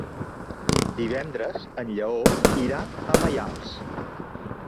Divendres en Lleó irà a Maials.